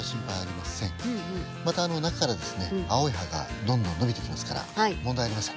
また中からですね青い葉がどんどん伸びてきますから問題ありません。